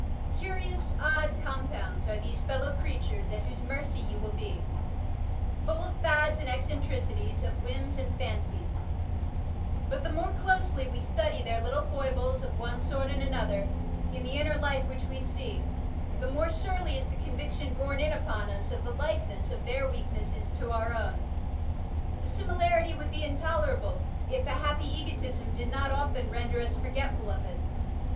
Curious, odd compounds are these fellow creatures, at whose mercy you will be j full of fads and eccentricities, 6 Digitized by VjOOQiC ABQUANIMITA8 of whims and bncies ; but the more doiely we study their little foibles of one sort and another in the inner life which we see, the more surely is the conviction borne in upon ns of the likeness of their weaknesses to our own. The simi larity would be intolerable, if a happy egotism did not often render us forgetful of it.